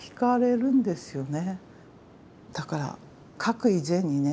だから書く以前にね